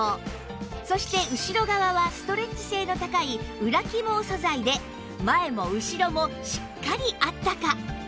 そして後ろ側はストレッチ性の高い裏起毛素材で前も後ろもしっかりあったか